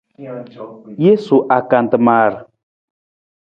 Jesu akantamar.